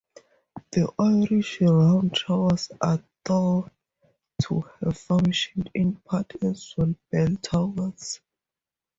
The Irish round towers are thought to have functioned in part as bell towers.